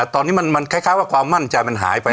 ตอนนี้มันคล้ายว่าความมั่นใจมันหายไป